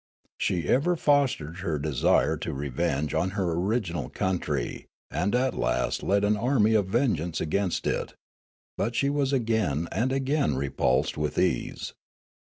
She ever fostered her desire of revenge on her original country, and at last led an army of vengeance against it ; but she was again and again repulsed with ease.